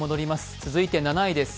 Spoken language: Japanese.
続いて７位です。